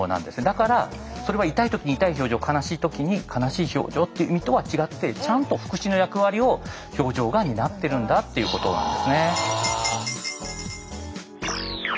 だからそれは痛い時に痛い表情悲しい時に悲しい表情っていう意味とは違ってちゃんと副詞の役割を表情が担ってるんだっていうことなんですね。